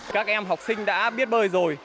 các em học sinh đã biết bơi rồi